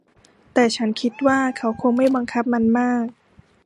แต่ฉันคิดว่าเขาคงไม่บังคับมันมาก